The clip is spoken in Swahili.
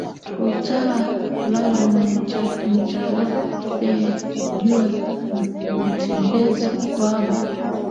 Uta lala na njala leo juya butembezi bwako